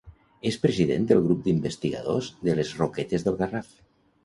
És president del Grup d'Investigadors de les Roquetes del Garraf.